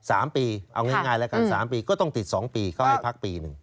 อ้าว๓ปีเอาง่ายแล้วกัน๓ปีก็ต้องติด๒ปีเขาให้พักปีนึง